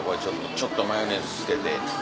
ちょっとマヨネーズつけて。